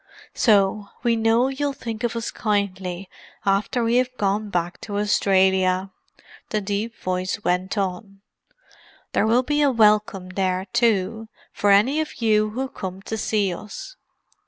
"So—we know you'll think of us kindly after we have gone back to Australia," the deep voice went on. "There will be a welcome there, too, for any of you who come to see us.